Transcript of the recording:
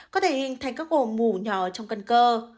có thể hình thành các ổ mủ nhỏ trong cân cơ